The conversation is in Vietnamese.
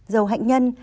dầu hạnh nhân